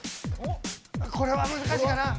これは難しいかな。